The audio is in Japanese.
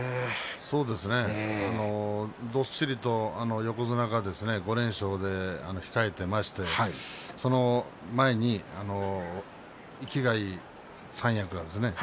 そうですねどっしりと横綱が５連勝で控えていましてその前に生きがいい三役ですね。